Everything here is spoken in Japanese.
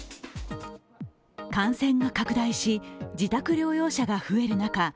感染が拡大し自宅療養者が増える中